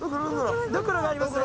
ドクロがありますね